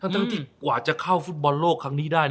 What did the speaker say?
ทั้งที่กว่าจะเข้าฟุตบอลโลกครั้งนี้ได้